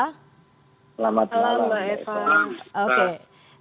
selamat malam mbak eva